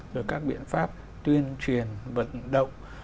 rồi các biện pháp tuyên truyền vận động